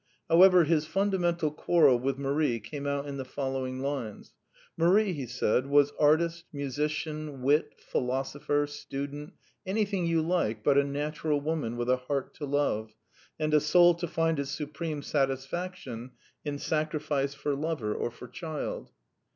However, his fundamental quarrel with Marie came out in the following lines. '* Marie," he said, '* was artist, musician, wit, philosopher, stu dent, anything you like but a natural woman with a heart to love, and a soul to find its supreme satisfaction in sacrifice for lover or for child."